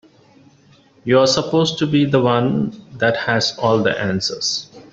You're supposed to be the one that has all the answers.